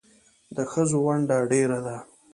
د ښځو ونډه ډېره ده